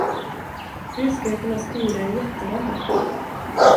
Hur ska jag kunna styra en jätterobot?